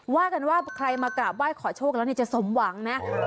ว่ากันว่าใครมากราบไหว้ขอโชคแล้วจะสมหวังนะ